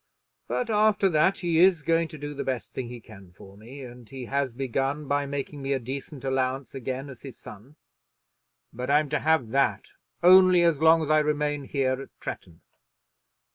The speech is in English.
But after that he is going to do the best thing he can for me. And he has begun by making me a decent allowance again as his son. But I'm to have that only as long as I remain here at Tretton.